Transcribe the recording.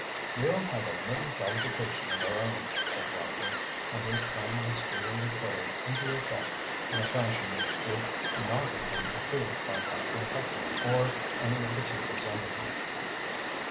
"We'll have a little jollification of our own," said Rockley, and his plan was speedily carried into effect, in a fashion which would not have been approved by Captain Putnam or any of the teachers under him.